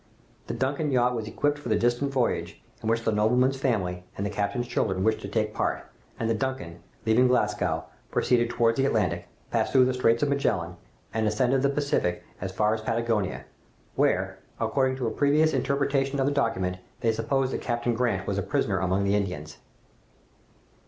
The 'Duncan' yacht was equipped for the distant voyage, in which the nobleman's family and the captain's children wished to take part, and the 'Duncan,' leaving Glasgow, proceeded towards the Atlantic, passed through the Straits of Magellan, and ascended the Pacific as far as Patagonia, where, according to a previous interpretation of the document, they supposed that Captain Grant was a prisoner among the Indians.